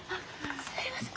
すいません。